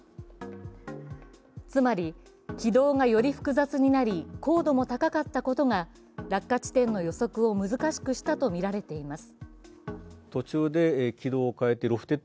つまり軌道が、より複雑になり高度も高かったことが落下地点の予測を難しくしたとみられています。